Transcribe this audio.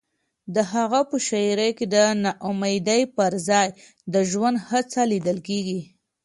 د هغه په شاعرۍ کې د ناامیدۍ پر ځای د ژوند هڅه لیدل کېږي.